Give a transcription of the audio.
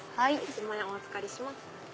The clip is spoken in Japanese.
１万円お預かりします。